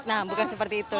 nah bukan seperti itu